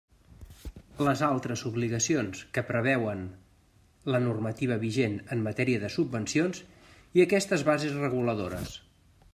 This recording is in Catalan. Les altres obligacions que preveuen la normativa vigent en matèria de subvencions i aquestes bases reguladores.